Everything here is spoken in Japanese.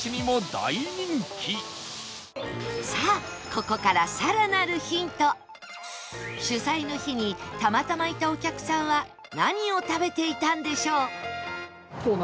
さあここから取材の日にたまたまいたお客さんは何を食べていたんでしょう？